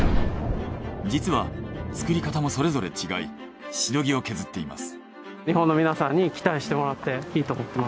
実は作り方もそれぞれ違いしのぎを削っています。